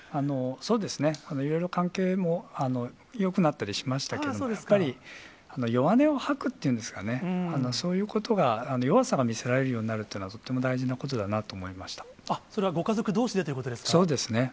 そうですね、いろいろ関係もよくなったりしましたけど、やっぱり、弱音を吐くっていうんですかね、そういうことが、弱さが見せられるようになるっていうのはとっても大事なことだなそれはご家族どうしでというそうですね。